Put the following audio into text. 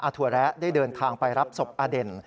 อาถุวะแหละได้เดินทางไปรับสบอเด่น